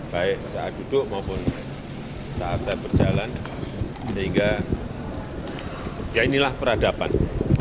baik saat duduk maupun saat saya berjalan sehingga ya inilah peradaban